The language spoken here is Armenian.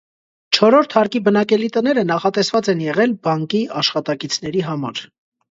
Չորրորդ հարկի բնակելի տները նախատեսված են եղել բանկի աշխատակիցների համար։